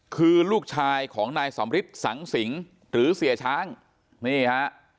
คือลูกชายของนายสำริทสังสิงหรือเสียช้างนี่ฮะ